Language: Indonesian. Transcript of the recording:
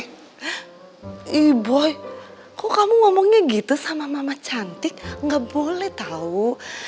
ih boy kok kamu ngomongnya gitu sama mama cantik nggak boleh tahu